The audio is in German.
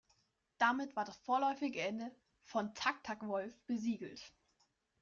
Damit war das vorläufige Ende von "Tak Tak Wolff" besiegelt.